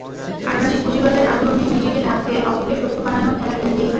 আগ্রাসী পুঁজিবাদের আবরণে নিজেকে ঢাকতে অপরকে শত্রু বানানোর খেলা খেলতেই হয়।